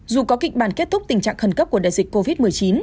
dù có kịch bản kết thúc tình trạng khẩn cấp của đại dịch covid một mươi chín